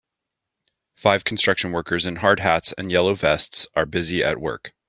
Five construction workers in hard hats and yellow vests are busy at work.